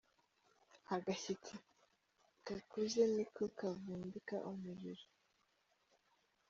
Agashyitsi gakuze niko kavumbika umuriro.